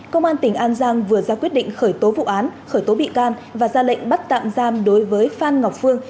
công an tỉnh an giang vừa ra quyết định khởi tố vụ án khởi tố bị can và ra lệnh bắt tạm giam đối với phan ngọc phương